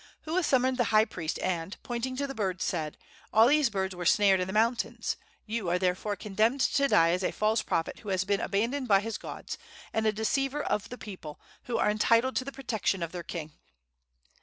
Hua summoned the high priest, and, pointing to the birds, said: "All these birds were snared in the mountains. You are therefore condemned to die as a false prophet who has been abandoned by his gods, and a deceiver of the people, who are entitled to the protection of their king."